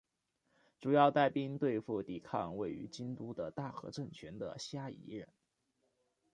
主要带兵对付抵抗位于京都的大和政权的虾夷人。